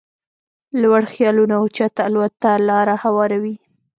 لوړ خيالونه اوچت الوت ته لاره هواروي.